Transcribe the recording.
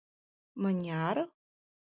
— Мыняр?